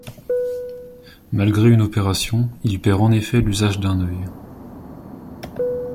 Malgré une opération, il perd en effet l'usage d'un œil.